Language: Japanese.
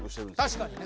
確かにね